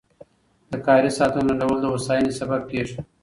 د کاري ساعتونو لنډول د هوساینې سبب کېږي.